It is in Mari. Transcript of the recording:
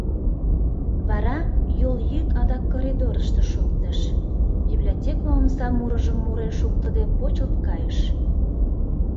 Вара йол йӱк адак коридорышто шоктыш, библиотеке омса мурыжым мурен шуктыде почылт кайыш.